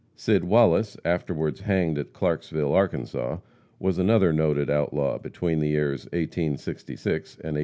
Sid Wallace, afterwards hanged at Clarksville, Arkansas, was another noted outlaw between the years 1866 and 1874.